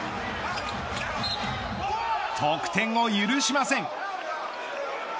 得点を許しません。